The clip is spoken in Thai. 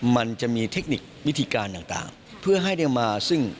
มันจะมีเทคนิควิธีการต่างเพื่อให้ได้มาซึ่ง